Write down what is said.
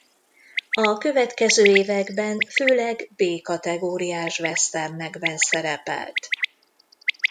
A következő években főleg B kategóriás westernekben szerepelt.